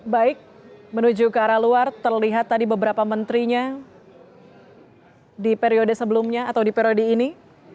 baik menuju ke arah luar terlihat tadi beberapa menterinya di periode sebelumnya atau di periode ini